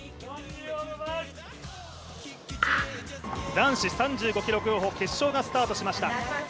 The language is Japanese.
男子３５ｋｍ競歩決勝がスタートしました。